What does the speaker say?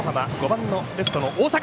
５番レフトの大坂。